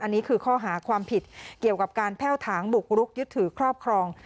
อันนี้คือข้อหาความผิดเกี่ยวกับการแพ่วถางบุกรุกยึดถือครอบครอง